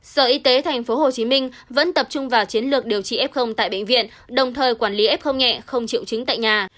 sở y tế tp hcm vẫn tập trung vào chiến lược điều trị f tại bệnh viện đồng thời quản lý f nhẹ không chịu chứng tại nhà